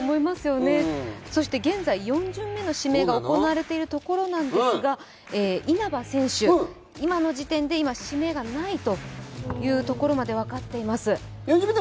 そして現在４巡目の指名が行われているところなんですが、稲葉選手、今の時点で指名がないというところまで分かっています。